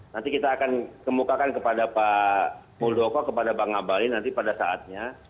nanti kita akan kemukakan kepada pak muldoko kepada bang abalin nanti pada saatnya